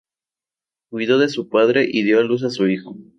Cuidó de su padre y dio a luz a un hijo.